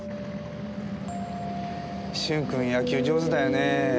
君野球上手だよね。